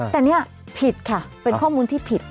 แต่นี่ผิดค่ะเป็นข้อมูลที่ผิด